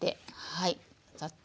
はい。